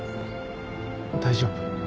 大丈夫？